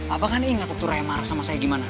abah kan ingat tuh raya marah sama saya gimana